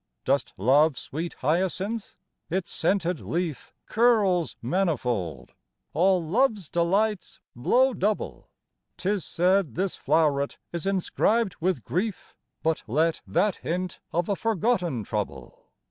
Dost love sweet Hyacinth? Its scented leaf Curls manifold, all love's delights blow double: 'Tis said this flow'ret is inscribed with grief, But let that hint of a forgotten trouble.